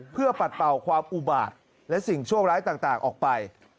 เพื่อปัดเป่าความอุบาตและสิ่งชั่วร้ายต่างออกไป